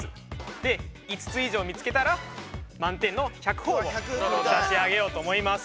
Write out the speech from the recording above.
で５つ以上見つけたら満点の１００ほぉを差し上げようと思います。